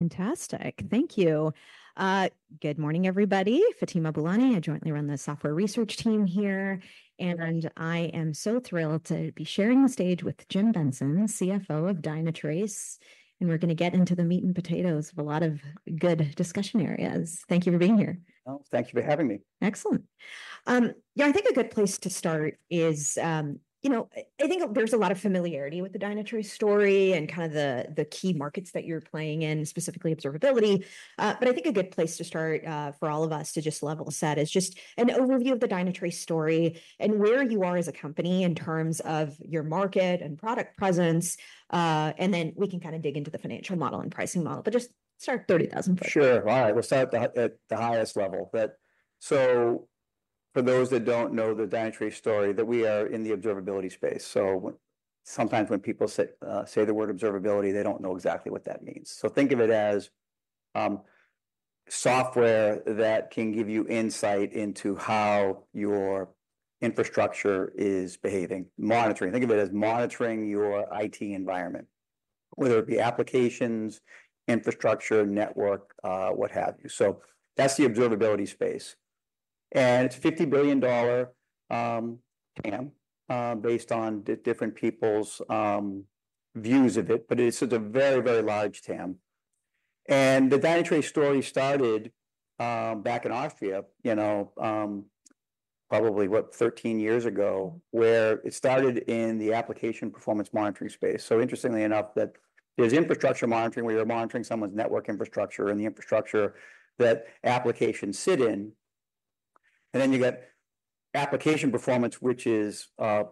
Fantastic. Thank you. Good morning, everybody. Fatima Boolani, I jointly run the software research team here, and I am so thrilled to be sharing the stage with Jim Benson, CFO of Dynatrace, and we're gonna get into the meat and potatoes of a lot of good discussion areas. Thank you for being here. Oh, thank you for having me. Excellent. Yeah, I think a good place to start is, you know, I think there's a lot of familiarity with the Dynatrace story and kind of the key markets that you're playing in, specifically observability. But I think a good place to start, for all of us to just level set is just an overview of the Dynatrace story and where you are as a company in terms of your market and product presence. And then we can kind of dig into the financial model and pricing model, but just start thirty thousand foot. Sure. All right, we'll start at the highest level. But so for those that don't know the Dynatrace story, that we are in the observability space. Sometimes when people say the word observability, they don't know exactly what that means. So think of it as software that can give you insight into how your infrastructure is behaving. Monitoring, think of it as monitoring your IT environment, whether it be applications, infrastructure, network, what have you. So that's the observability space, and it's a $50 billion TAM based on different people's views of it, but it's a very, very large TAM. And the Dynatrace story started back in our field, you know, probably 13 years ago, where it started in the application performance monitoring space. Interestingly enough, that there's infrastructure monitoring, where you're monitoring someone's network infrastructure and the infrastructure that applications sit in, and then you get application performance, which is a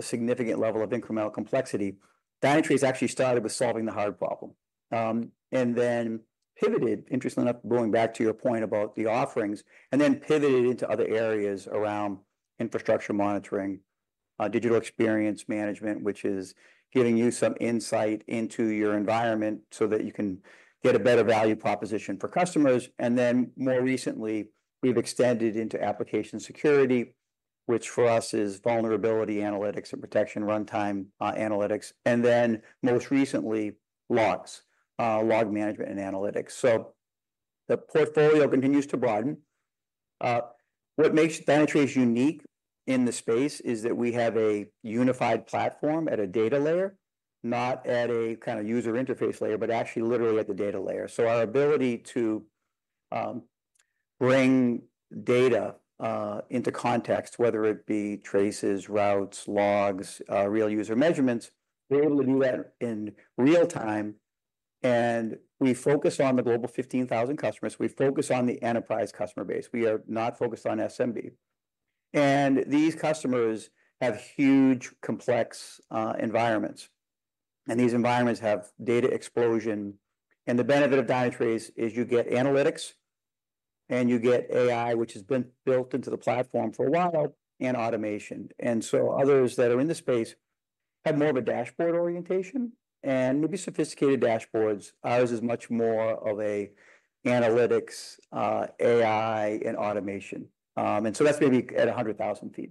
significant level of incremental complexity. Dynatrace actually started with solving the hard problem, and then pivoted, interestingly enough, going back to your point about the offerings, and then pivoted into other areas around infrastructure monitoring, digital experience management, which is giving you some insight into your environment so that you can get a better value proposition for customers. More recently, we've extended into application security, which for us is vulnerability analytics and protection runtime analytics, and then most recently, logs, log management and analytics. The portfolio continues to broaden. What makes Dynatrace unique in the space is that we have a unified platform at a data layer, not at a kind of user interface layer, but actually literally at the data layer, so our ability to bring data into context, whether it be traces, metrics, logs, real user measurements, we're able to do that in real time, and we focus on the Global 15,000 customers. We focus on the enterprise customer base. We are not focused on SMB, and these customers have huge, complex environments, and these environments have data explosion, and the benefit of Dynatrace is you get analytics, and you get AI, which has been built into the platform for a while, and automation, and so others that are in the space have more of a dashboard orientation and maybe sophisticated dashboards. Ours is much more of a analytics, AI, and automation. And so that's maybe at a hundred thousand feet.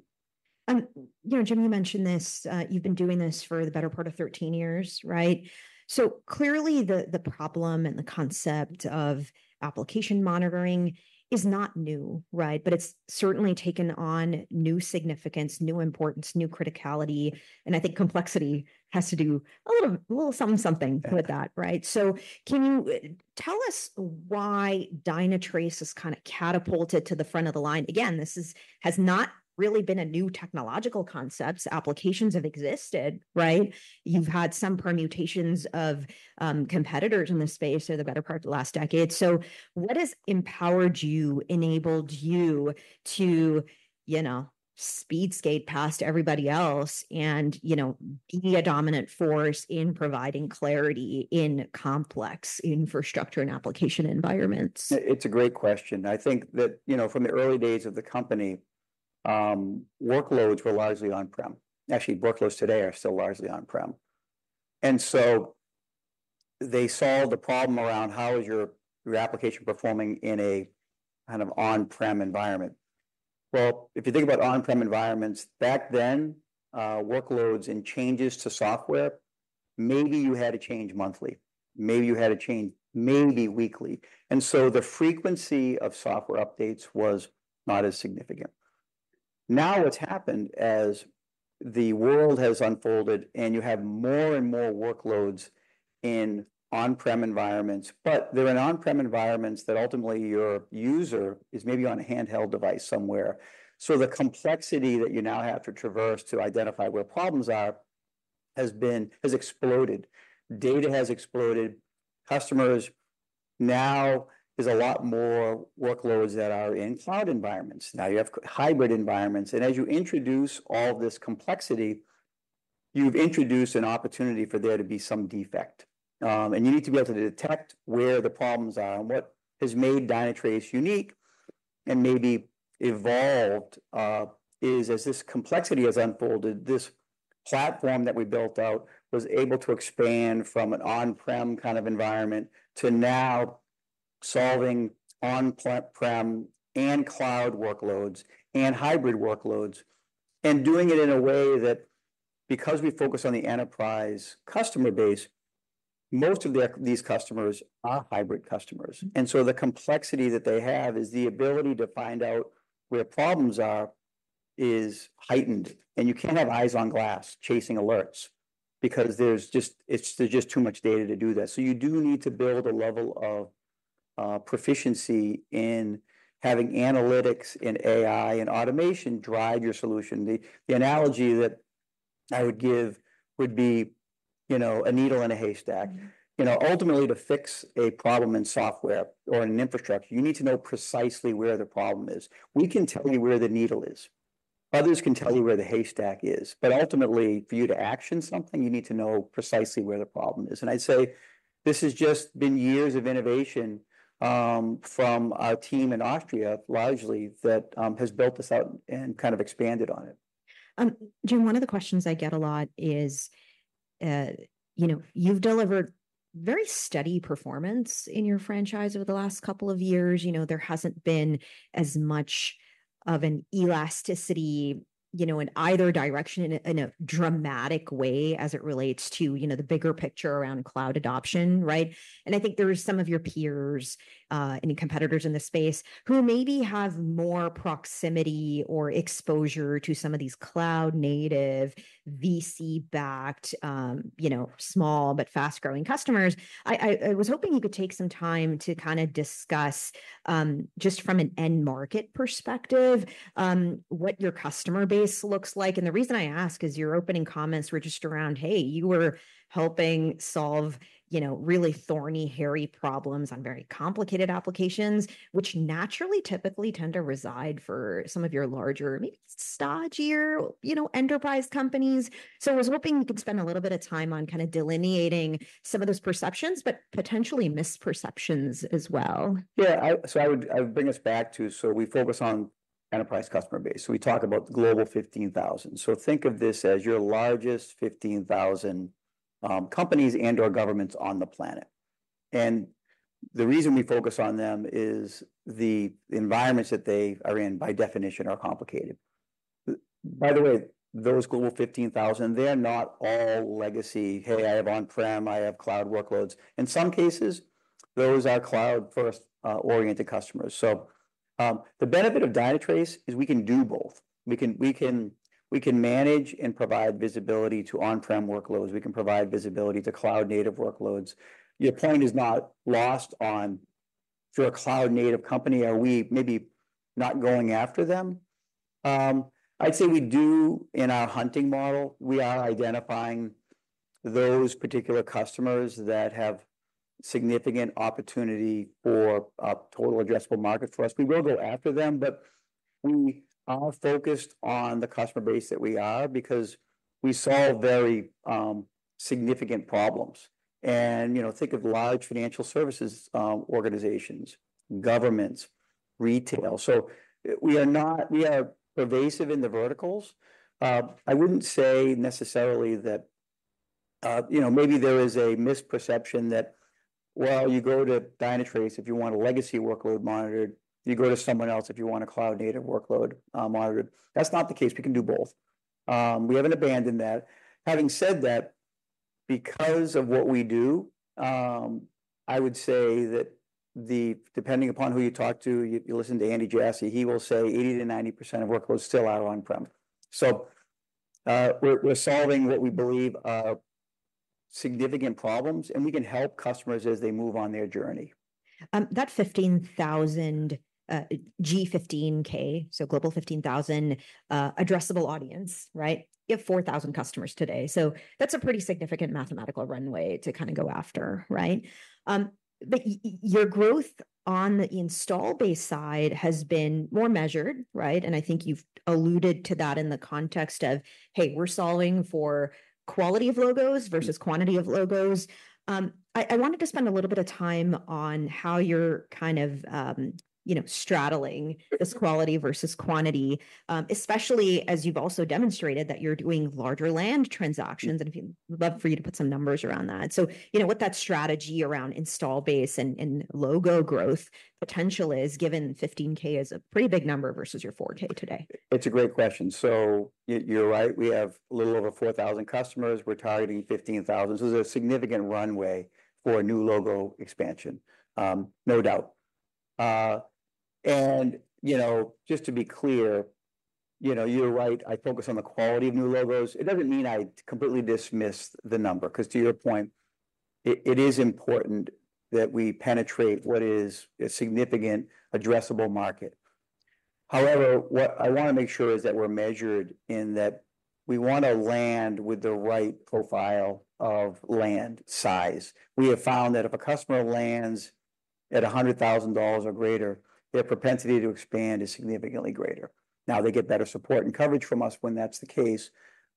You know, Jim, you mentioned this. You've been doing this for the better part of thirteen years, right? So clearly, the problem and the concept of application monitoring is not new, right? But it's certainly taken on new significance, new importance, new criticality, and I think complexity has to do a little something- Yeah With that, right? So can you tell us why Dynatrace has kind of catapulted to the front of the line? Again, this is, has not really been a new technological concept. Applications have existed, right? You've had some permutations of, competitors in this space for the better part of the last decade. So what has empowered you, enabled you to, you know, speed skate past everybody else and, you know, be a dominant force in providing clarity in complex infrastructure and application environments? It, it's a great question. I think that, you know, from the early days of the company, workloads were largely on-prem. Actually, workloads today are still largely on-prem, and so they solved the problem around how is your application performing in a kind of on-prem environment. Well, if you think about on-prem environments, back then, workloads and changes to software, maybe you had a change monthly, maybe you had a change weekly, and so the frequency of software updates was not as significant. Now, what's happened as the world has unfolded, and you have more and more workloads in on-prem environments, but they're in on-prem environments that ultimately your user is maybe on a handheld device somewhere. So the complexity that you now have to traverse to identify where problems are has exploded. Data has exploded. Customers now, there's a lot more workloads that are in cloud environments. Now, you have hybrid environments, and as you introduce all this complexity, you've introduced an opportunity for there to be some defect, and you need to be able to detect where the problems are, and what has made Dynatrace unique and maybe evolved is as this complexity has unfolded, this platform that we built out was able to expand from an on-prem kind of environment to now solving on-prem and cloud workloads and hybrid workloads, and doing it in a way that because we focus on the enterprise customer base, most of these customers are hybrid customers. The complexity that they have is the ability to find out where problems are is heightened, and you can't have eyes on glass chasing alerts because there's just too much data to do that. You do need to build a level of proficiency in having analytics and AI and automation drive your solution. The analogy that I would give would be, you know, a needle in a haystack. Mm-hmm. You know, ultimately, to fix a problem in software or in infrastructure, you need to know precisely where the problem is. We can tell you where the needle is. Others can tell you where the haystack is. But ultimately, for you to action something, you need to know precisely where the problem is. And I'd say this has just been years of innovation from our team in Austria, largely, that has built this out and kind of expanded on it. Jim, one of the questions I get a lot is, you know, you've delivered very steady performance in your franchise over the last couple of years. You know, there hasn't been as much of an elasticity, you know, in either direction in a dramatic way as it relates to, you know, the bigger picture around cloud adoption, right? And I think there are some of your peers and competitors in this space who maybe have more proximity or exposure to some of these cloud-native, VC-backed, you know, small but fast-growing customers. I was hoping you could take some time to kind of discuss, just from an end market perspective, what your customer base looks like. And the reason I ask is your opening comments were just around, hey, you were helping solve, you know, really thorny, hairy problems on very complicated applications, which naturally, typically tend to reside for some of your larger, maybe stodgier, you know, enterprise companies. So I was hoping you could spend a little bit of time on kind of delineating some of those perceptions, but potentially misperceptions as well. Yeah, so I would bring us back to, so we focus on enterprise customer base. We talk about the Global 15,000. So think of this as your largest 15,000 companies and/or governments on the planet. And the reason we focus on them is the environments that they are in, by definition, are complicated. By the way, those Global 15,000, they're not all legacy. "Hey, I have on-prem, I have cloud workloads." In some cases, those are cloud-first oriented customers. So, the benefit of Dynatrace is we can do both. We can manage and provide visibility to on-prem workloads. We can provide visibility to cloud-native workloads. Your point is not lost on if you're a cloud-native company, are we maybe not going after them? I'd say we do in our hunting model, we are identifying those particular customers that have significant opportunity for a total addressable market for us. We will go after them, but we are focused on the customer base that we are because we solve very significant problems. And, you know, think of large financial services organizations, governments, retail. So we are not. We are pervasive in the verticals. I wouldn't say necessarily that, you know, maybe there is a misperception that, well, you go to Dynatrace if you want a legacy workload monitored, you go to someone else if you want a cloud-native workload monitored. That's not the case. We can do both. We haven't abandoned that. Having said that, because of what we do, I would say that depending upon who you talk to, you listen to Andy Jassy, he will say 80%-90% of workloads are still out on-prem. So, we're solving what we believe are significant problems, and we can help customers as they move on their journey. That 15,000, G15K, so Global 15,000 addressable audience, right? You have 4,000 customers today, so that's a pretty significant mathematical runway to kind of go after, right? But your growth on the install base side has been more measured, right, and I think you've alluded to that in the context of, "Hey, we're solving for quality of logos versus quantity of logos." I wanted to spend a little bit of time on how you're kind of, you know, straddling this quality versus quantity, especially as you've also demonstrated that you're doing larger land transactions, and I'd love for you to put some numbers around that, so you know what that strategy around install base and logo growth potential is, given 15K is a pretty big number versus your 4K today. It's a great question. So you're right, we have a little over four thousand customers. We're targeting fifteen thousand. So there's a significant runway for new logo expansion, no doubt. And, you know, just to be clear, you know, you're right, I focus on the quality of new logos. It doesn't mean I completely dismiss the number, 'cause to your point, it is important that we penetrate what is a significant addressable market. However, what I wanna make sure is that we're measured in that we want to land with the right profile of land size. We have found that if a customer lands at $100,000 or greater, their propensity to expand is significantly greater. Now, they get better support and coverage from us when that's the case,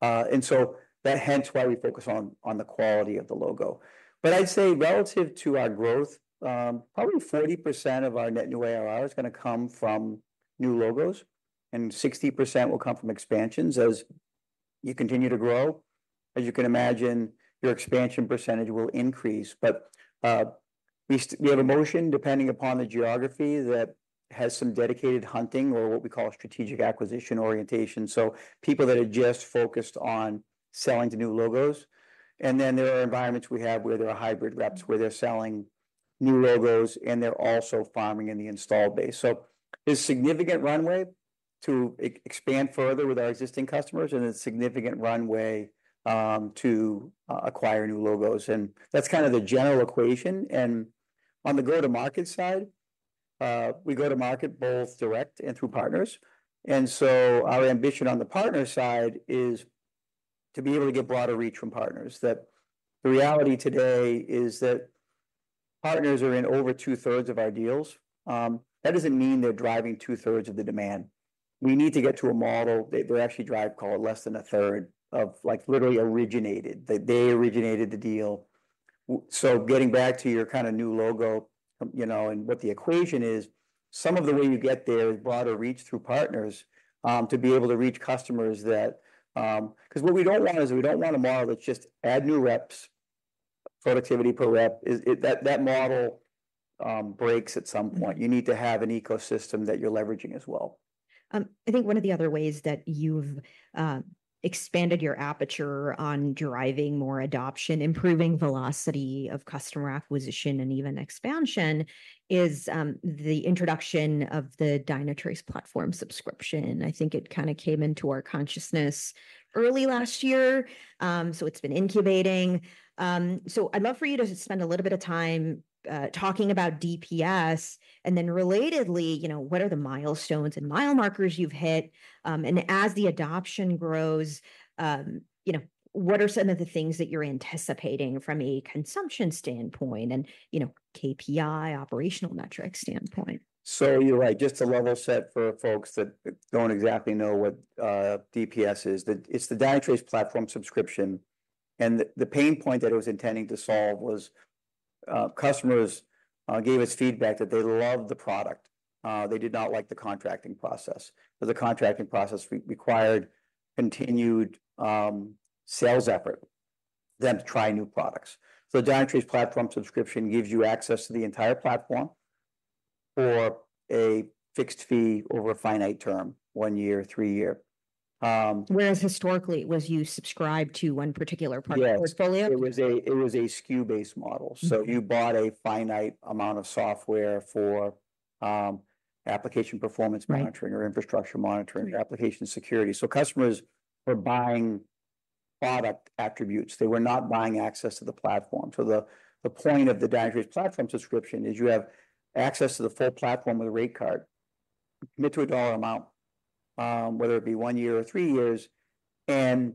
and so that hence why we focus on the quality of the logo. But I'd say relative to our growth, probably 40% of our net new ARR is gonna come from new logos, and 60% will come from expansions as you continue to grow. As you can imagine, your expansion percentage will increase. But we have a motion, depending upon the geography, that has some dedicated hunting or what we call strategic acquisition orientation, so people that are just focused on selling to new logos. And then there are environments we have where there are hybrid reps, where they're selling new logos, and they're also farming in the installed base. So there's significant runway to expand further with our existing customers, and there's significant runway to acquire new logos, and that's kind of the general equation. And on the go-to-market side, we go to market both direct and through partners. Our ambition on the partner side is to be able to get broader reach from partners. The reality today is that partners are in over two-thirds of our deals. That doesn't mean they're driving two-thirds of the demand. We need to get to a model that they actually drive, call it less than a third of, like, literally originated, that they originated the deal. Getting back to your kind of new logo, you know, and what the equation is, some of the way you get there is broader reach through partners, to be able to reach customers that. 'Cause what we don't want is we don't want a model that's just add new reps, productivity per rep. That model breaks at some point. Mm-hmm. You need to have an ecosystem that you're leveraging as well. I think one of the other ways that you've expanded your aperture on driving more adoption, improving velocity of customer acquisition, and even expansion is the introduction of the Dynatrace Platform Subscription. I think it kind of came into our consciousness early last year. So it's been incubating. So I'd love for you to spend a little bit of time talking about DPS, and then relatedly, you know, what are the milestones and mile markers you've hit? And as the adoption grows, you know, what are some of the things that you're anticipating from a consumption standpoint and, you know, KPI operational metric standpoint? So you're right. Just to level set for folks that don't exactly know what DPS is, it's the Dynatrace Platform Subscription. And the pain point that it was intending to solve was customers gave us feedback that they loved the product. They did not like the contracting process, that the contracting process required continued sales effort for them to try new products. So Dynatrace Platform Subscription gives you access to the entire platform for a fixed fee over a finite term, one year, three year. Whereas historically, it was, you subscribe to one particular part- Yes Of the portfolio? It was a SKU-based model. Mm-hmm. So you bought a finite amount of software for, application performance- Right Monitoring or infrastructure monitoring- Right Or application security. So customers were buying product attributes. They were not buying access to the platform. So the point of the Dynatrace Platform Subscription is you have access to the full platform with a rate card. Commit to a dollar amount, whether it be one year or three years, and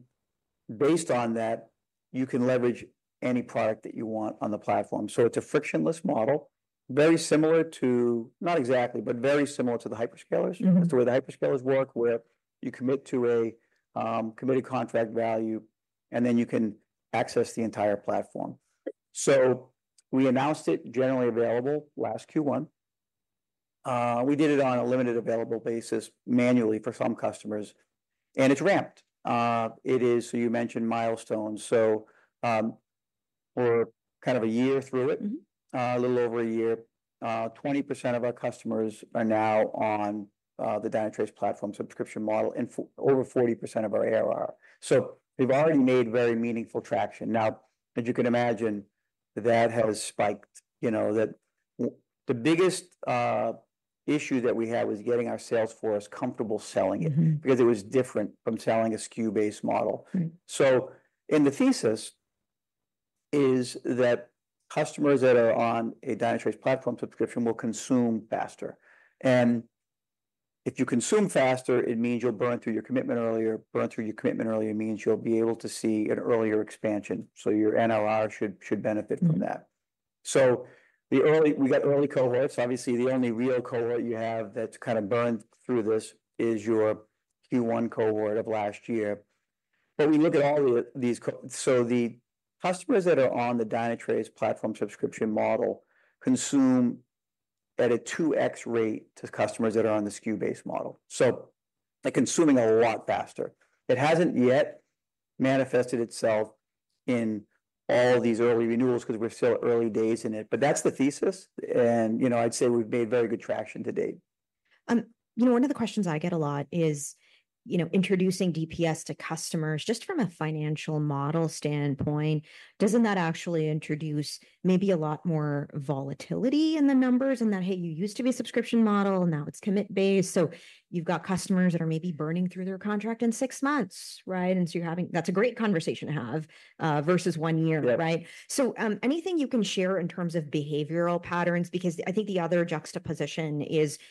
based on that, you can leverage any product that you want on the platform. So it's a frictionless model, very similar to, not exactly, but very similar to the hyperscalers. Mm-hmm. As to where the hyperscalers work, where you commit to a committed contract value, and then you can access the entire platform. So we announced it generally available last Q1. We did it on a limited available basis manually for some customers, and it's ramped. So you mentioned milestones, so we're kind of a year through it. Mm-hmm. A little over a year. Twenty percent of our customers are now on the Dynatrace Platform Subscription model, and over 40% of our ARR. So we've already made very meaningful traction. Now, as you can imagine, that has spiked. You know, the biggest issue that we had was getting our sales force comfortable selling it- Mm-hmm Because it was different from selling a SKU-based model. Mm-hmm. So and the thesis is that customers that are on a Dynatrace Platform Subscription will consume faster, and if you consume faster, it means you'll burn through your commitment earlier. Burn through your commitment earlier means you'll be able to see an earlier expansion, so your NRR should benefit from that. Mm-hmm. We got early cohorts. Obviously, the only real cohort you have that's kind of burned through this is your Q1 cohort of last year. We look at all of these, so the customers that are on the Dynatrace Platform Subscription model consume at a two X rate to customers that are on the SKU-based model, so they're consuming a lot faster. It hasn't yet manifested itself in all of these early renewals 'cause we're still early days in it, but that's the thesis. You know, I'd say we've made very good traction to date. you know, one of the questions I get a lot is, you know, introducing DPS to customers, just from a financial model standpoint, doesn't that actually introduce maybe a lot more volatility in the numbers? And that, hey, you used to be a subscription model, and now it's commit based, so you've got customers that are maybe burning through their contract in six months, right? And so you're having, that's a great conversation to have versus one year- Right So, anything you can share in terms of behavioral patterns? Because I think the other juxtaposition is, you know,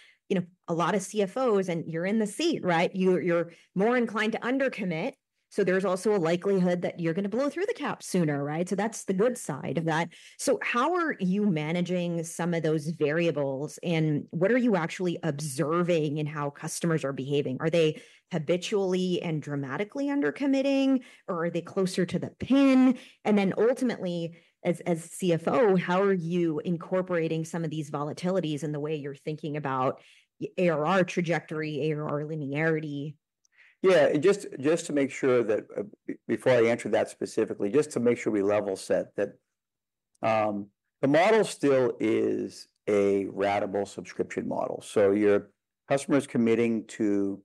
a lot of CFOs, and you're in the seat, right, you're more inclined to under commit, so there's also a likelihood that you're gonna blow through the cap sooner, right? So that's the good side of that. So how are you managing some of those variables, and what are you actually observing in how customers are behaving? Are they habitually and dramatically under-committing, or are they closer to the pin? And then ultimately, as CFO, how are you incorporating some of these volatilities in the way you're thinking about ARR trajectory, ARR linearity? Yeah, just to make sure that before I answer that specifically, just to make sure we level set that. The model still is a ratable subscription model, so your customer's committing to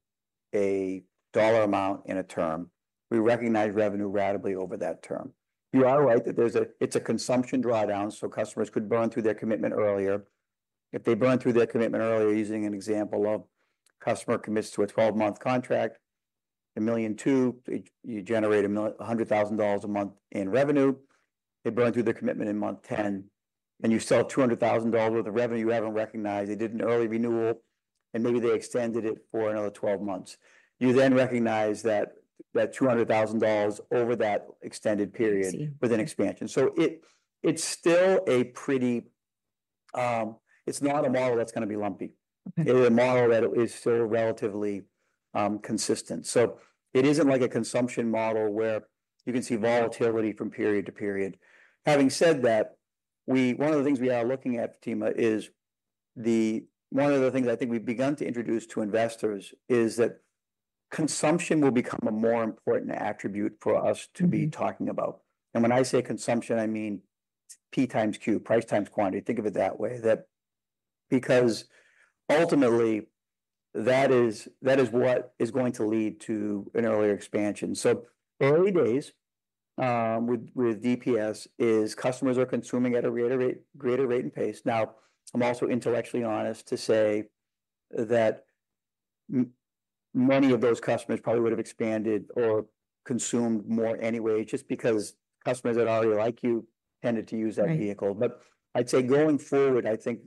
a dollar amount in a term. We recognize revenue ratably over that term. You are right that it's a consumption drawdown, so customers could burn through their commitment earlier. If they burn through their commitment earlier, using an example of customer commits to a 12-month contract, $1.2 million, you generate $100,000 a month in revenue. They burn through their commitment in month 10, and you still have $200,000 worth of revenue you haven't recognized. They did an early renewal, and maybe they extended it for another 12 months. You then recognize that $200,000 over that extended period- I see With an expansion. So it, it's still a pretty, It's not a model that's gonna be lumpy. Mm-hmm. It is a model that is sort of relatively consistent. So it isn't like a consumption model, where you can see volatility from period to period. Having said that, one of the things we are looking at, Fatima, is one of the things I think we've begun to introduce to investors is that consumption will become a more important attribute for us to be- Mm-hmm Talking about. And when I say consumption, I mean P times Q, price times quantity. Think of it that way, because ultimately, that is what is going to lead to an earlier expansion. So early days, with DPS, customers are consuming at a greater rate and pace. Now, I'm also intellectually honest to say that many of those customers probably would've expanded or consumed more anyway, just because customers that are like you tended to use that vehicle. Right. But I'd say going forward, I think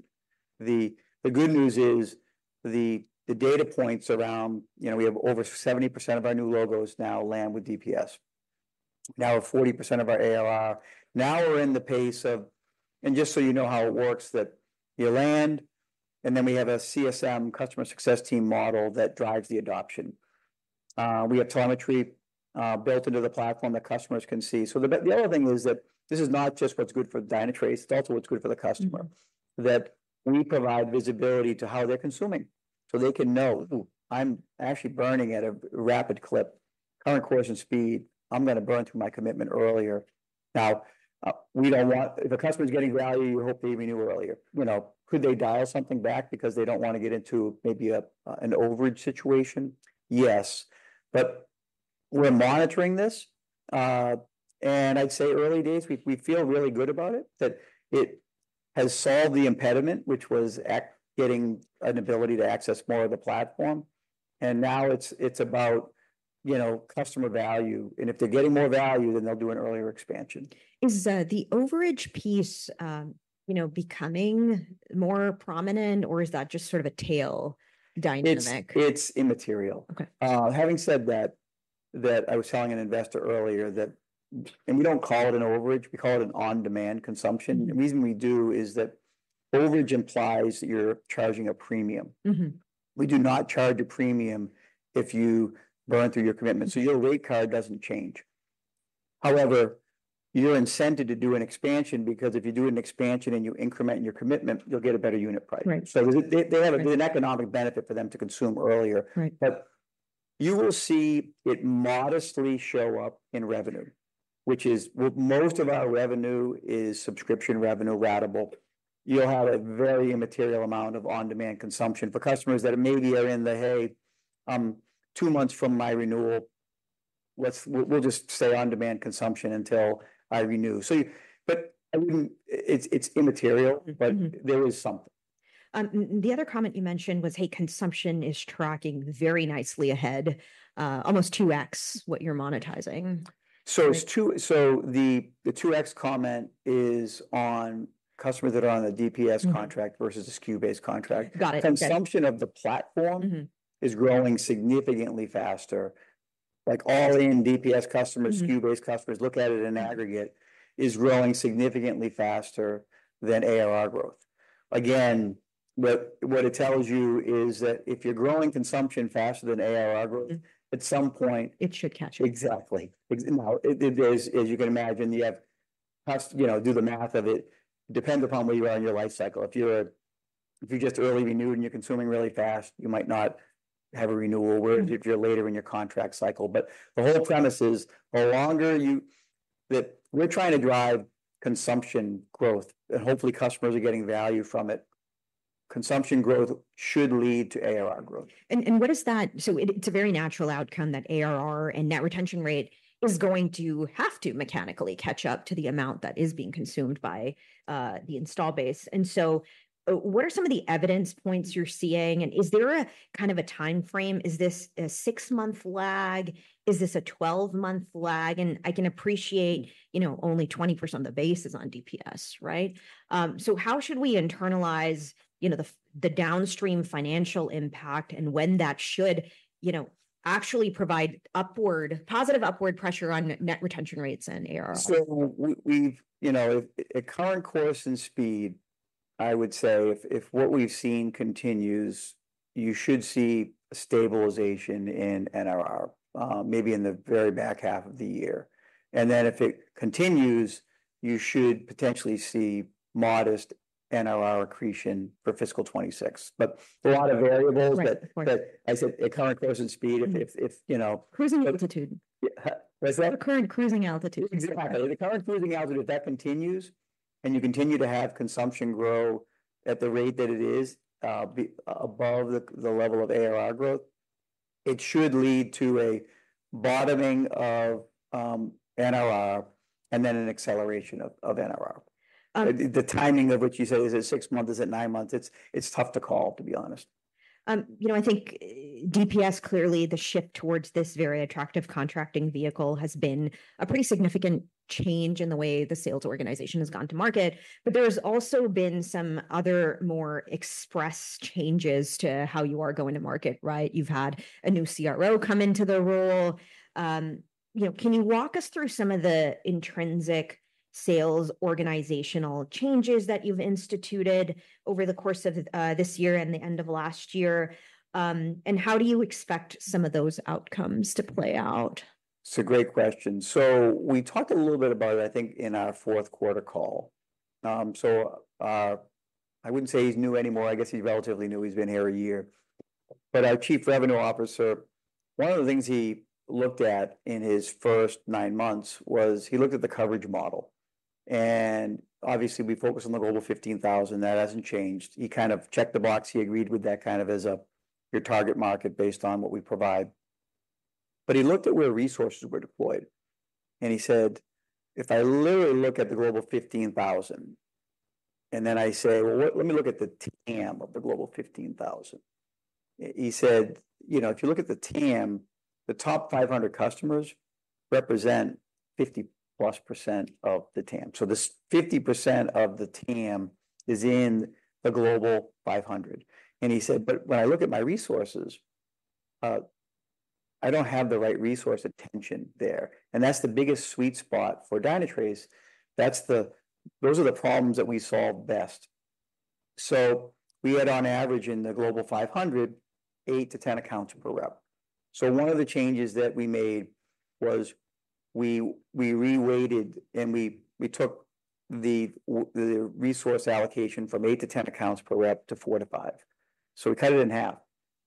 the good news is the data points around, you know, we have over 70% of our new logos now land with DPS. Now, 40% of our ARR. Now, we're in the pace of, and just so you know how it works, that you land, and then we have a CSM, customer success team model that drives the adoption. We have telemetry built into the platform that customers can see. So the other thing is that this is not just what's good for Dynatrace, it's also what's good for the customer- Mm-hmm That we provide visibility to how they're consuming, so they can know, "Ooh, I'm actually burning at a rapid clip. Current course and speed, I'm gonna burn through my commitment earlier." Now, we don't want. If a customer's getting value, we hope they renew earlier. You know, could they dial something back because they don't wanna get into maybe an overage situation? Yes. But we're monitoring this, and I'd say early days, we feel really good about it, that it has solved the impediment, which was getting an ability to access more of the platform. Now it's about, you know, customer value, and if they're getting more value, then they'll do an earlier expansion. Is the overage piece, you know, becoming more prominent, or is that just sort of a tail dynamic? It's immaterial. Okay. Having said that, I was telling an investor earlier that we don't call it an overage, we call it an on-demand consumption. Mm-hmm. The reason we do is that overage implies that you're charging a premium. Mm-hmm. We do not charge a premium if you burn through your commitment- Mm So your rate card doesn't change. However, you're incentivized to do an expansion, because if you do an expansion and you increment your commitment, you'll get a better unit price. Right. They have an economic benefit for them to consume earlier. Right. But you will see it modestly show up in revenue, which is, with most of our revenue is subscription revenue ratable. You'll have a very immaterial amount of on-demand consumption. For customers that maybe are in the, "Hey, I'm two months from my renewal," we'll just say on-demand consumption until I renew. So but I wouldn't. It's immaterial. Mm-hmm, mm-hmm But there is something. The other comment you mentioned was, hey, consumption is tracking very nicely ahead, almost 2x what you're monetizing. So the two X comment is on customers that are on a DPS contract- Mm Versus a SKU-based contract. Got it. Okay. Consumption of the platform. Mm-hmm Is growing significantly faster. Like, all in DPS customers- Mm SKU-based customers, look at it in aggregate, is growing significantly faster than ARR growth. Again, what it tells you is that if you're growing consumption faster than ARR growth- Mm At some point. It should catch up. Exactly. Now, there is, as you can imagine, you have, you know, do the math of it. Depends upon where you are in your life cycle. If you just early renewed and you're consuming really fast, you might not have a renewal. Mm Whereas if you're later in your contract cycle. But the whole premise is, the longer you that we're trying to drive consumption growth, and hopefully customers are getting value from it. Consumption growth should lead to ARR growth. It's a very natural outcome that ARR and net retention rate- Yes Is going to have to mechanically catch up to the amount that is being consumed by the install base. And so, what are some of the evidence points you're seeing, and is there a kind of a timeframe? Is this a six-month lag? Is this a twelve-month lag? And I can appreciate, you know, only 20% of the base is on DPS, right? So how should we internalize, you know, the downstream financial impact, and when that should, you know, actually provide upward, positive upward pressure on net retention rates and ARR? We've, you know, at current course and speed, I would say if what we've seen continues, you should see stabilization in ARR, maybe in the very back half of the year. And then if it continues, you should potentially see modest NRR accretion for fiscal 2026. But there are a lot of variables that- Right, right that as a current closing speed, if you know- Cruising altitude. Yeah, what's that? The current cruising altitude. The current cruising altitude, if that continues, and you continue to have consumption grow at the rate that it is, be above the level of ARR growth, it should lead to a bottoming of NRR, and then an acceleration of NRR. Um- The timing of which you say, is it six months, is it nine months? It's tough to call, to be honest. You know, I think, DPS, clearly the shift towards this very attractive contracting vehicle has been a pretty significant change in the way the sales organization has gone to market. But there's also been some other more express changes to how you are going to market, right? You've had a new CRO come into the role. You know, can you walk us through some of the intrinsic sales organizational changes that you've instituted over the course of this year and the end of last year? And how do you expect some of those outcomes to play out? It's a great question, so we talked a little bit about it, I think, in our fourth quarter call. I wouldn't say he's new anymore. I guess he's relatively new. He's been here a year, but our Chief Revenue Officer, one of the things he looked at in his first nine months was he looked at the coverage model, and obviously we focus on the Global 15,000. That hasn't changed. He kind of checked the box. He agreed with that kind of as a your target market based on what we provide. He looked at where resources were deployed, and he said, "If I literally look at the Global 15,000, and then I say, 'Well, let me look at the TAM of the Global 15,000.'" He said, "You know, if you look at the TAM, the top 500 customers represent 50-plus% of the TAM." So this 50% of the TAM is in the Global 500. He said, "But when I look at my resources, I don't have the right resource attention there," and that's the biggest sweet spot for Dynatrace. That's the. Those are the problems that we solve best. So we had, on average, in the Global 500, 8-10 accounts per rep. One of the changes that we made was we reweighted, and we took the resource allocation from eight to 10 accounts per rep to four to five. We cut it in half,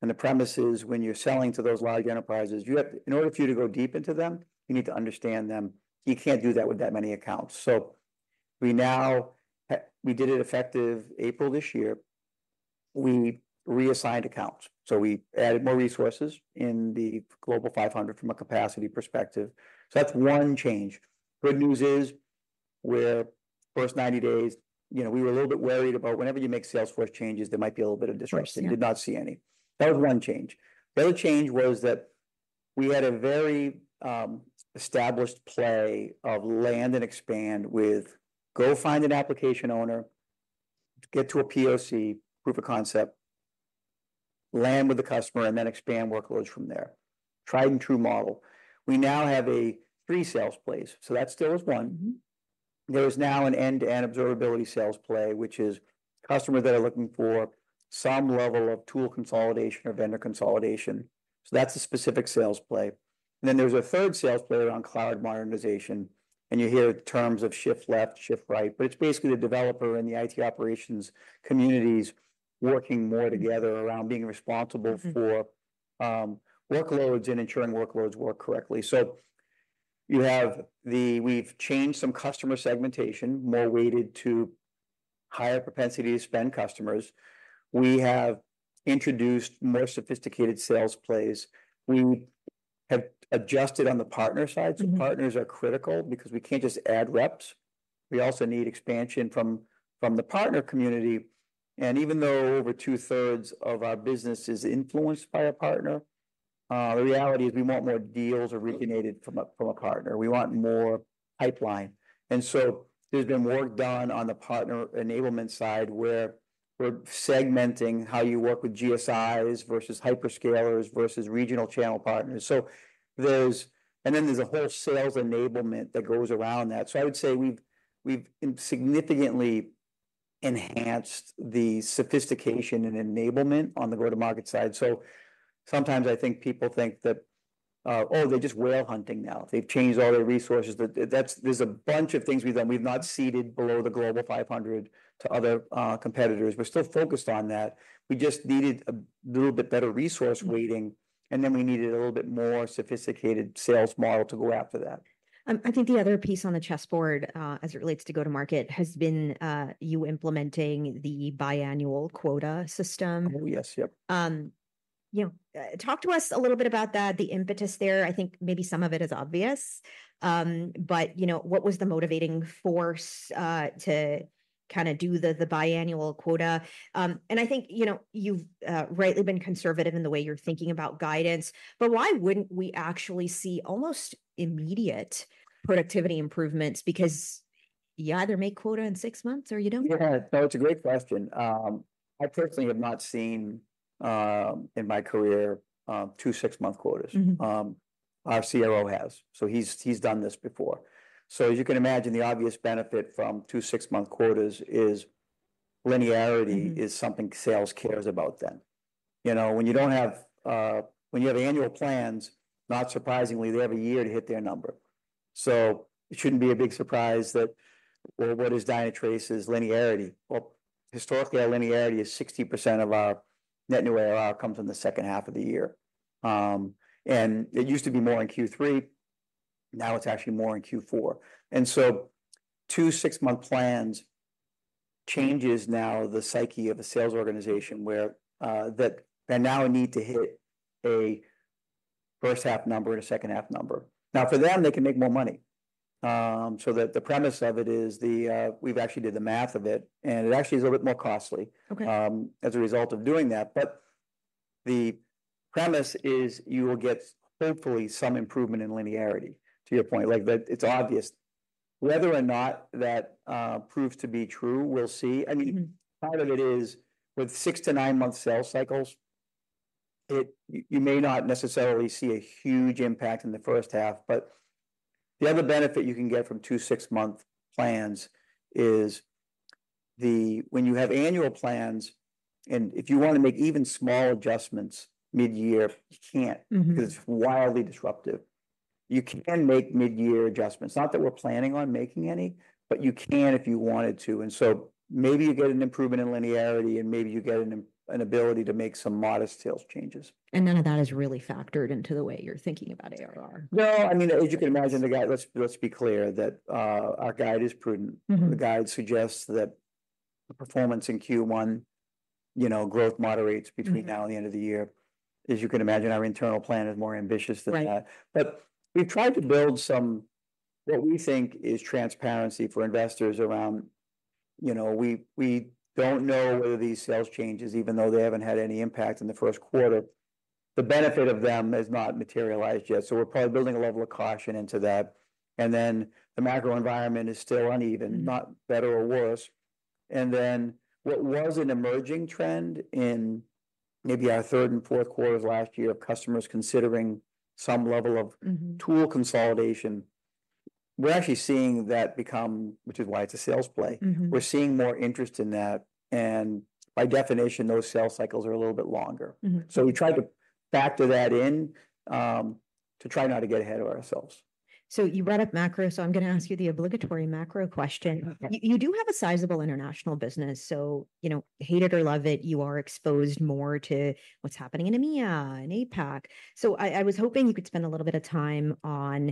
and the premise is, when you're selling to those large enterprises, you have to in order for you to go deep into them, you need to understand them. You can't do that with that many accounts. We now did it effective April this year. We reassigned accounts, so we added more resources in the Global 500 from a capacity perspective. That's one change. Good news is, we're first 90 days, you know, we were a little bit worried about whenever you make salesforce changes, there might be a little bit of disruption. Right. We did not see any. That was one change. The other change was that we had a very established play of land and expand with go find an application owner, get to a POC, proof of concept, land with the customer, and then expand workloads from there. Tried-and-true model. We now have three sales plays, so that still is one. Mm-hmm. There is now an end-to-end observability sales play, which is customers that are looking for some level of tool consolidation or vendor consolidation. So that's a specific sales play. And then there's a third sales play around cloud modernization, and you hear terms of shift left, shift right, but it's basically the developer and the IT operations communities working more together- Mm-hmm Around being responsible for- Mm-hmm Workloads and ensuring workloads work correctly. We've changed some customer segmentation, more weighted to higher propensity to spend customers. We have introduced more sophisticated sales plays. We have adjusted on the partner side. Mm-hmm. Partners are critical because we can't just add reps. We also need expansion from the partner community, and even though over two-thirds of our business is influenced by a partner, the reality is we want more deals originated from a partner. We want more pipeline. And so there's been work done on the partner enablement side, where we're segmenting how you work with GSIs versus hyperscalers versus regional channel partners. So there's. And then there's a whole sales enablement that goes around that. So I would say we've significantly enhanced the sophistication and enablement on the go-to-market side. So sometimes I think people think that, "Oh, they're just whale hunting now. They've changed all their resources," that's. There's a bunch of things we've done. We've not seeded below the Global 500 to other competitors. We're still focused on that. We just needed a little bit better resource weighting- Mm And then we needed a little bit more sophisticated sales model to go after that. I think the other piece on the chessboard, as it relates to go-to-market, has been, you implementing the biannual quota system. Oh, yes. Yep. You know, talk to us a little bit about that, the impetus there. I think maybe some of it is obvious, but, you know, what was the motivating force, to kinda do the biannual quota? And I think, you know, you've rightly been conservative in the way you're thinking about guidance, but why wouldn't we actually see almost immediate productivity improvements? Because you either make quota in six months or you don't. Yeah. No, it's a great question. I personally have not seen, in my career, two six-month quotas. Mm-hmm. Our CRO has, so he's done this before. So as you can imagine, the obvious benefit from two six-month quotas is linearity- Mm-hmm Is something sales cares about then, you know, when you don't have, when you have annual plans, not surprisingly, they have a year to hit their number. So it shouldn't be a big surprise that, well, what is Dynatrace's linearity? Well, historically, our linearity is 60% of our net new ARR comes in the second half of the year. And it used to be more in Q3, now it's actually more in Q4. And so, two six-month plans changes now the psyche of a sales organization where, that they now need to hit a first-half number and a second-half number. Now, for them, they can make more money. So the, the premise of it is the, we've actually did the math of it, and it actually is a bit more costly- Okay As a result of doing that. But the premise is you will get, hopefully, some improvement in linearity, to your point. Like, that it's obvious. Whether or not that proves to be true, we'll see. Mm-hmm. I mean, part of it is, with six- to nine-month sales cycles, it, you may not necessarily see a huge impact in the first half. But the other benefit you can get from two six-month plans is the, when you have annual plans, and if you wanna make even small adjustments mid-year, you can't- Mm-hmm 'Cause it's wildly disruptive. You can make mid-year adjustments, not that we're planning on making any, but you can if you wanted to. And so maybe you get an improvement in linearity, and maybe you get an ability to make some modest sales changes. None of that is really factored into the way you're thinking about ARR? I mean, as you can imagine, the guide. Let's be clear that our guide is prudent. Mm-hmm. The guide suggests that the performance in Q1, you know, growth moderates. Mm-hmm Between now and the end of the year. As you can imagine, our internal plan is more ambitious than that. Right. But we've tried to build some, what we think is transparency for investors around, you know, we don't know whether these sales changes, even though they haven't had any impact in the first quarter, the benefit of them has not materialized yet, so we're probably building a level of caution into that, and then the macro environment is still uneven- Mm Not better or worse, and then what was an emerging trend in maybe our third and fourth quarters last year of customers considering some level of- Mm-hmm Tool consolidation, we're actually seeing that become, which is why it's a sales play. Mm-hmm. We're seeing more interest in that, and by definition, those sales cycles are a little bit longer. Mm-hmm. So we tried to factor that in, to try not to get ahead of ourselves. So you brought up macro, so I'm gonna ask you the obligatory macro question. Okay. You do have a sizable international business, so, you know, hate it or love it, you are exposed more to what's happening in EMEA and APAC. So I was hoping you could spend a little bit of time on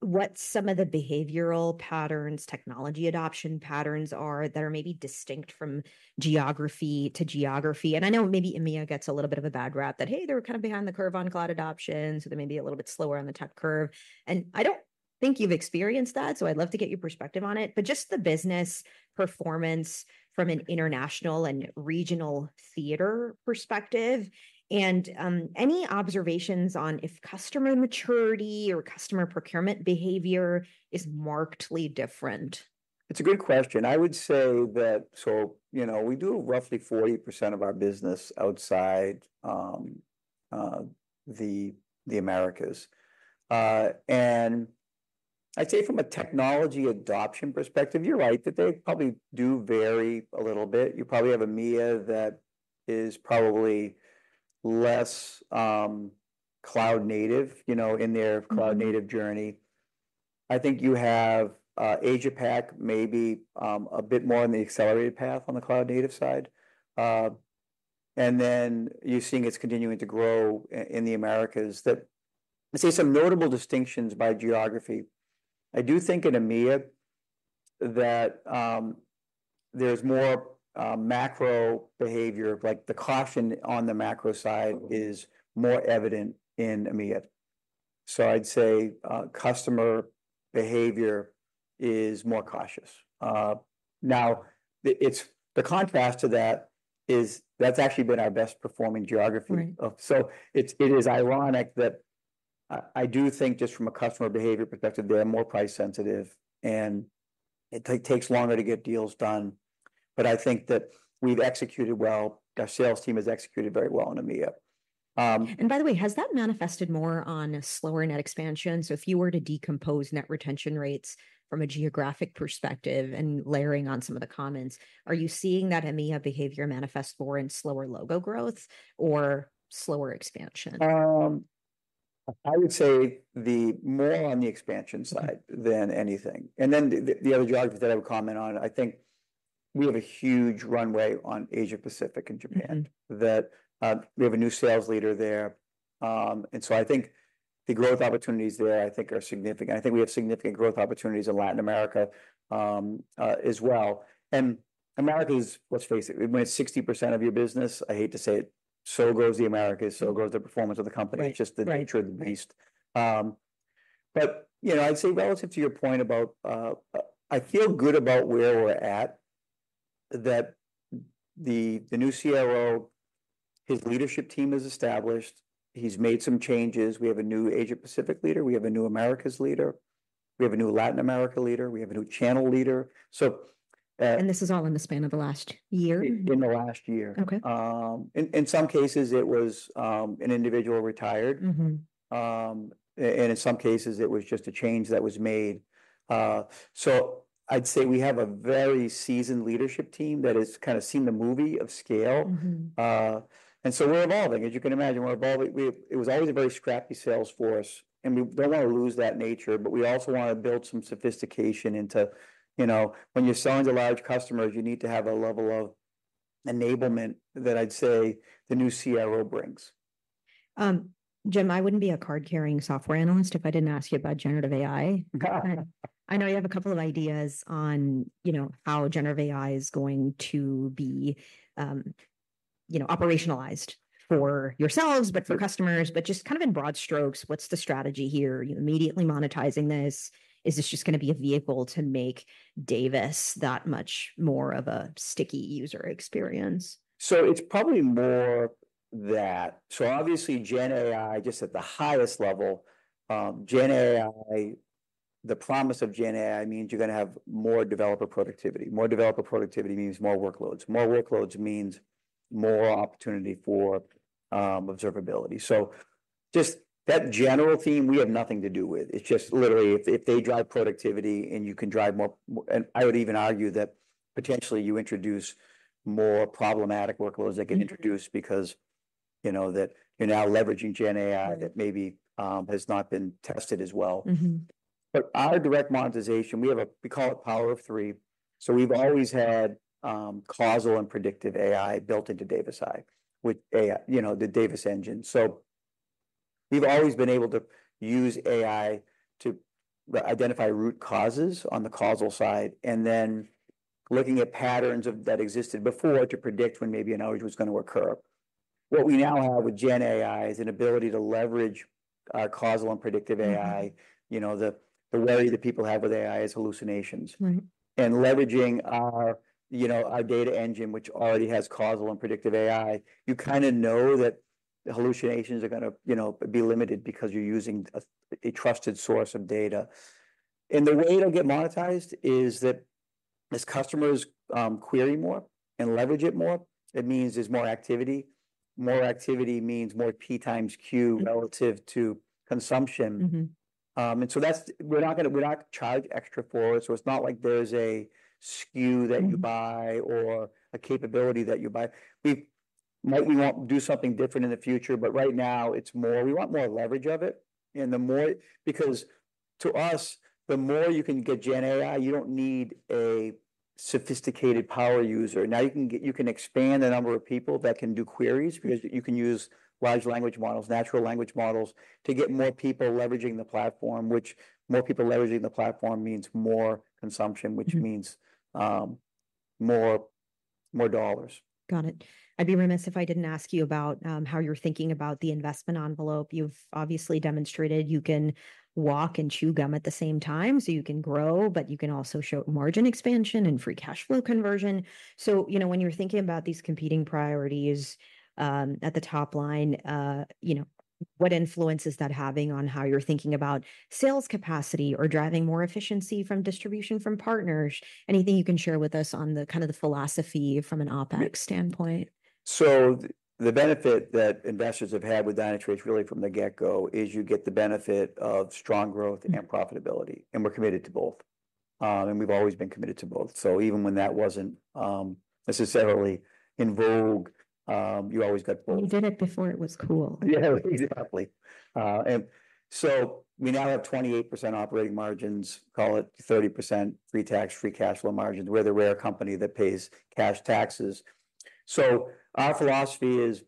what some of the behavioral patterns, technology adoption patterns are, that are maybe distinct from geography to geography. And I know maybe EMEA gets a little bit of a bad rap, that, hey, they were kind of behind the curve on cloud adoption, so they may be a little bit slower on the tech curve. And I don't think you've experienced that, so I'd love to get your perspective on it. But just the business performance from an international and regional theater perspective, and any observations on if customer maturity or customer procurement behavior is markedly different? It's a good question. I would say that. So, you know, we do roughly 40% of our business outside the Americas. And I'd say from a technology adoption perspective, you're right, that they probably do vary a little bit. You probably have EMEA that is probably less cloud native, you know, in their- Mm Cloud-native journey. I think you have, Asia Pac maybe, a bit more on the accelerated path on the cloud-native side. And then you're seeing it's continuing to grow in the Americas, that I see some notable distinctions by geography. I do think in EMEA that, there's more, macro behavior, like the caution on the macro side is more evident in EMEA. So I'd say, customer behavior is more cautious. Now, it's the contrast to that is, that's actually been our best-performing geography. Right. It is ironic that I do think just from a customer behavior perspective, they are more price-sensitive, and it takes longer to get deals done, but I think that we've executed well. Our sales team has executed very well in EMEA. And by the way, has that manifested more on a slower net expansion? So if you were to decompose net retention rates from a geographic perspective, and layering on some of the comments, are you seeing that EMEA behavior manifest more in slower logo growth or slower expansion? I would say the more on the expansion side than anything, and then the other geography that I would comment on. I think we have a huge runway on Asia Pacific and Japan- Mm-hmm That we have a new sales leader there, and so I think the growth opportunities there, I think are significant. I think we have significant growth opportunities in Latin America as well, and Americas, let's face it, when it's 60% of your business, I hate to say it, so goes the Americas, so goes the performance of the company. Right, right. It's just the nature of the beast. But, you know, I'd say relative to your point about, I feel good about where we're at, that the new CRO, his leadership team is established. He's made some changes. We have a new Asia Pacific leader. We have a new Americas leader. We have a new Latin America leader, we have a new channel leader. So, This is all in the span of the last year? In the last year. Okay. In some cases, it was an individual retired. Mm-hmm. And in some cases, it was just a change that was made. So I'd say we have a very seasoned leadership team that has kinda seen the movie of scale. Mm-hmm. And so we're evolving. As you can imagine, we're evolving. It was always a very scrappy sales force, and we don't wanna lose that nature, but we also wanna build some sophistication into, you know, when you're selling to large customers, you need to have a level of enablement that I'd say the new CRO brings. Jim, I wouldn't be a card-carrying software analyst if I didn't ask you about generative AI. Got it. I know you have a couple of ideas on, you know, how generative AI is going to be, you know, operationalized for yourselves- Sure But for customers. But just kind of in broad strokes, what's the strategy here? Are you immediately monetizing this? Is this just gonna be a vehicle to make Davis that much more of a sticky user experience? So it's probably more that. So obviously, Gen AI, just at the highest level, Gen AI, the promise of Gen AI means you're gonna have more developer productivity. More developer productivity means more workloads. More workloads means more opportunity for observability. So just that general theme, we have nothing to do with. It's just literally if they drive productivity, and you can drive more. And I would even argue that potentially you introduce more problematic workloads. Mm-hmm That get introduced because, you know, that you're now leveraging gen AI that maybe has not been tested as well. Mm-hmm. But our direct monetization, we have we call it Power of Three. So we've always had causal and predictive AI built into Davis AI, with you know, the Davis engine. So we've always been able to use AI to, well, identify root causes on the causal side, and then looking at patterns that existed before to predict when maybe an outage was gonna occur. What we now have with gen AI is an ability to leverage our causal and predictive AI. Mm-hmm. You know, the worry that people have with AI is hallucinations. Right. And leveraging our, you know, our data engine, which already has causal and predictive AI, you kinda know that the hallucinations are gonna, you know, be limited because you're using a, a trusted source of data. And the way it'll get monetized is that as customers query more and leverage it more, it means there's more activity. More activity means more P times Q- Mm-hmm Relative to consumption. Mm-hmm. We're not charged extra for it, so it's not like there's a SKU that you buy. Mm Or a capability that you buy. We might well do something different in the future, but right now it's more we want more leverage of it, and the more. Because to us, the more you can get Gen AI, you don't need a sophisticated power user. Now you can expand the number of people that can do queries, because you can use large language models, natural language models, to get more people leveraging the platform, which more people leveraging the platform means more consumption- Mm-hmm Wwhich means, more dollars. Got it. I'd be remiss if I didn't ask you about how you're thinking about the investment envelope. You've obviously demonstrated you can walk and chew gum at the same time, so you can grow, but you can also show margin expansion and free cash flow conversion. So, you know, when you're thinking about these competing priorities at the top line, you know, what influence is that having on how you're thinking about sales capacity or driving more efficiency from distribution from partners? Anything you can share with us on the kind of philosophy from an OpEx standpoint? So the benefit that investors have had with Dynatrace really from the get-go is you get the benefit of strong growth and profitability, and we're committed to both, and we've always been committed to both, so even when that wasn't necessarily in vogue, you always got both. You did it before it was cool. Yeah, exactly. And so we now have 28% operating margins, call it 30% pre-tax free cash flow margins. We're the rare company that pays cash taxes. So our philosophy is,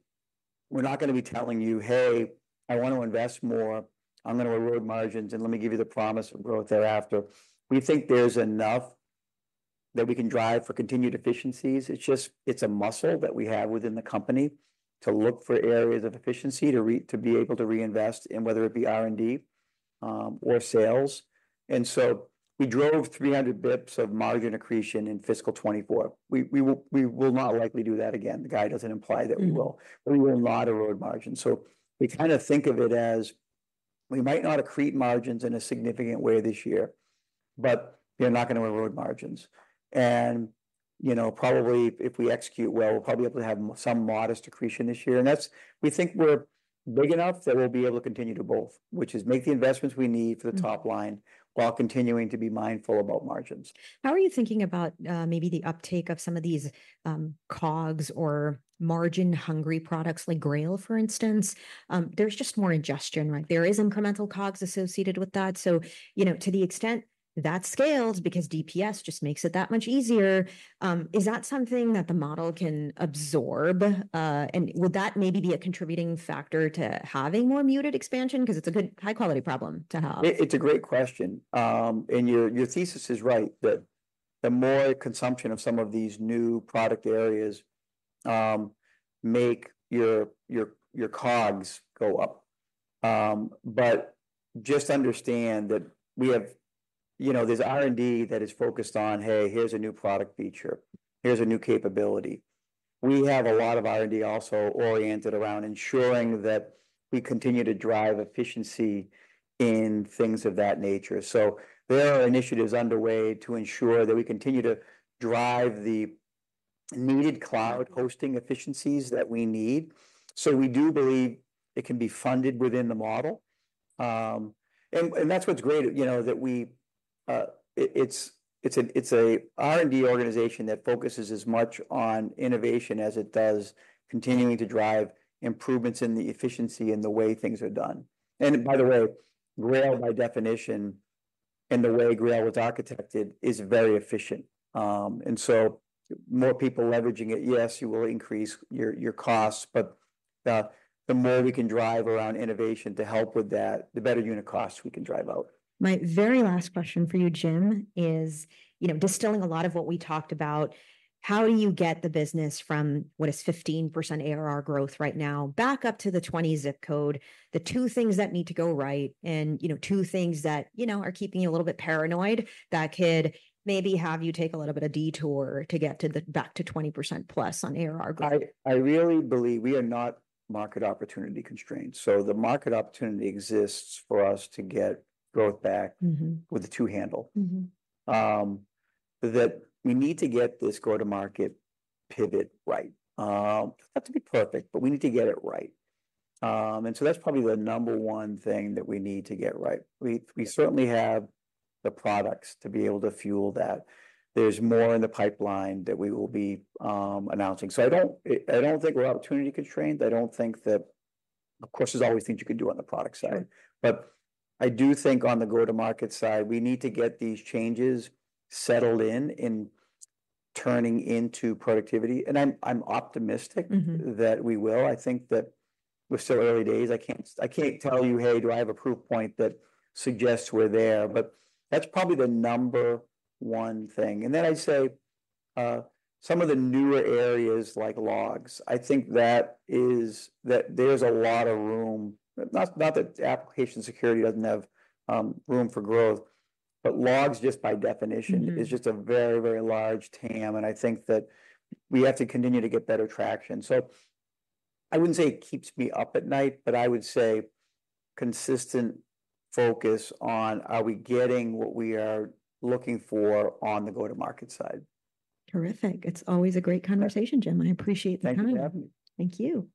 we're not gonna be telling you: "Hey, I want to invest more. I'm gonna erode margins, and let me give you the promise of growth thereafter." We think there's enough that we can drive for continued efficiencies. It's just, it's a muscle that we have within the company to look for areas of efficiency, to be able to reinvest in whether it be R&D or sales. And so we drove 300 basis points of margin accretion in fiscal 2024. We will not likely do that again. The guide doesn't imply that we will. Mm-hmm. But we will not erode margins. So we kinda think of it as, we might not accrete margins in a significant way this year, but we are not gonna erode margins. And, you know, probably if we execute well, we'll probably be able to have some modest accretion this year. And that's. We think we're big enough that we'll be able to continue to both, which is make the investments we need for the top line. Mm While continuing to be mindful about margins. How are you thinking about, maybe the uptake of some of these, COGS or margin-hungry products, like Grail, for instance? There's just more ingestion, right? There is incremental COGS associated with that. So, you know, to the extent that scales, because DPS just makes it that much easier, is that something that the model can absorb? And will that maybe be a contributing factor to having more muted expansion? 'Cause it's a good, high-quality problem to have. It's a great question. And your thesis is right, that the more consumption of some of these new product areas make your COGS go up. But just understand that we have. You know, there's R&D that is focused on, "Hey, here's a new product feature. Here's a new capability." We have a lot of R&D also oriented around ensuring that we continue to drive efficiency in things of that nature. So there are initiatives underway to ensure that we continue to drive the needed cloud hosting efficiencies that we need. So we do believe it can be funded within the model. And that's what's great, you know, that it's a R&D organization that focuses as much on innovation as it does continuing to drive improvements in the efficiency and the way things are done. And by the way, Grail, by definition, and the way Grail was architected, is very efficient. And so more people leveraging it, yes, you will increase your costs, but the more we can drive around innovation to help with that, the better unit costs we can drive out. My very last question for you, Jim, is, you know, distilling a lot of what we talked about, how do you get the business from what is 15% ARR growth right now back up to the twenty ZIP code? The two things that need to go right and, you know, two things that, you know, are keeping you a little bit paranoid that could maybe have you take a little bit of detour to get to the- back to 20%-plus on ARR growth. I really believe we are not market opportunity constrained. So the market opportunity exists for us to get growth back- Mm-hmm With a two handle. Mm-hmm. That we need to get this go-to-market pivot right. Not to be perfect, but we need to get it right, and so that's probably the number one thing that we need to get right. We certainly have the products to be able to fuel that. There's more in the pipeline that we will be announcing, so I don't think we're opportunity constrained. I don't think that, of course, there's always things you can do on the product side. Right. But I do think on the go-to-market side, we need to get these changes settled in in turning into productivity, and I'm optimistic- Mm-hmm That we will. I think that we're still early days. I can't tell you, "Hey, do I have a proof point that suggests we're there?" But that's probably the number one thing. And then I'd say, some of the newer areas like logs, I think that there's a lot of room. Not that application security doesn't have room for growth, but logs just by definition- Mm-hmm Is just a very, very large TAM, and I think that we have to continue to get better traction. So I wouldn't say it keeps me up at night, but I would say consistent focus on: Are we getting what we are looking for on the go-to-market side? Terrific. It's always a great conversation, Jim. I appreciate the time. Thank you for having me. Thank you!